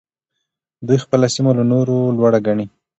دوی خپله سيمه له نورو لوړه ګڼي.